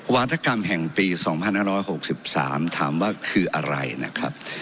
วาธกรรมแห่งปี๒๕๖๓ถามว่าคืออะไรนะครับ